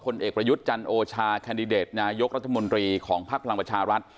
เอกประยุทธ์จันโอชาแคนดิเดตนายกรัฐมนตรีของภักดิ์พลังประชารัฐ